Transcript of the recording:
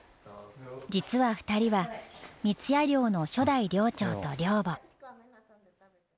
実は２人は三矢寮の初代寮長と寮母。